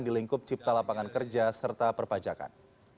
di lingkup cipta lapangan kerja serta perpajakan